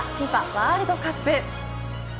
ワールドカップ。